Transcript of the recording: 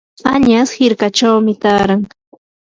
añas hirkachawmi taaran.